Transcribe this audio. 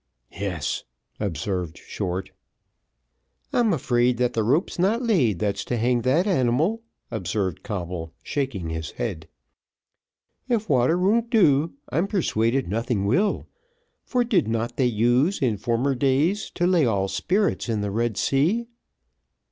"Yes," observed Short. "I'm afeard that the rope's not laid that's to hang that animal," observed Coble, shaking his head. "If water won't do, I'm persuaded nothing will, for did not they use, in former days, to lay all spirits in the Red Sea?"